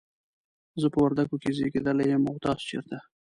زه په وردګو کې زیږیدلی یم، او تاسو چیرته؟